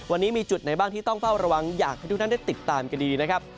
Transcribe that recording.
วันนี้มีจุดไหนบ้างที่ต้องเฝ้าระวังอยากให้ทุกท่านได้ติดตามกันดีนะครับ